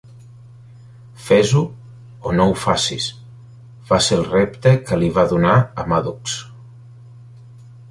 "Fes-ho, o no ho facis" va ser el repte que li va donar a Maddux.